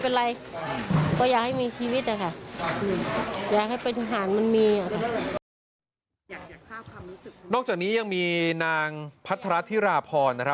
นอกจากนี้ยังมีนางพัฒนาธิราพร